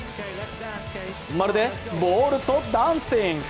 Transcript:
まるでボールとダンシング。